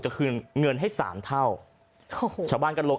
จะคืนเงินให้๓เท่าโอ้โหโชว์บ้านกันโหลวง